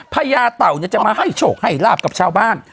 ญาเต่าจะมาให้โชคให้ลาบกับชาวบ้าน